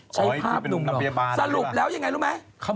ใช้ภาพหนุ่มหลอกสรุปแล้วยังไงรู้ไหมโอ้ยที่เป็นนัฯเบียบาร์เลยหรือเปล่า